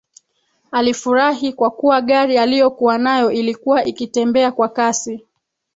Alifurahi kwa kuwa gari aliyokuwa nayo ilikuwa ikitembea kwa kasi